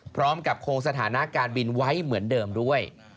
พร้อมกับคงสถานะการบินไว้เหมือนเดิมด้วย